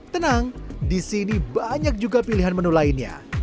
tenang disini banyak juga pilihan menu lainnya